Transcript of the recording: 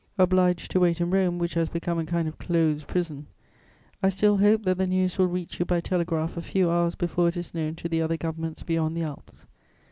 Obliged to wait in Rome, which has become a kind of closed prison, I still hope that the news will reach you by telegraph a few hours before it is known to the other governments beyond the Alps.